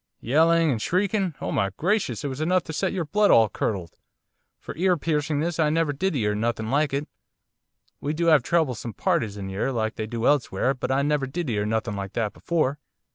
'Yelling and shrieking oh my gracious, it was enough to set your blood all curdled, for ear piercingness I never did 'ear nothing like it. We do 'ave troublesome parties in 'ere, like they do elsewhere, but I never did 'ear nothing like that before.